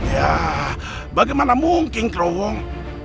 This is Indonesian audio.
ya bagaimana mungkin kerowong